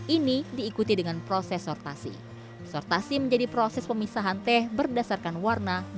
ini diikuti dengan proses sortasi sortasi menjadi proses pemisahan teh berdasarkan warna